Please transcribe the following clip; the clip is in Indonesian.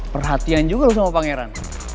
perhatian juga loh sama pangeran